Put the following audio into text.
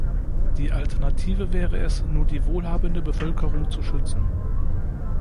Die Alternative wäre es, nur die wohlhabende Bevölkerung zu schützen.